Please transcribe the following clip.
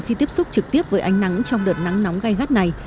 khi tiếp xúc trực tiếp với ánh nắng trong đợt nắng nóng gai gắt này